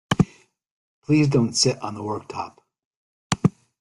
Please don't sit on the worktop!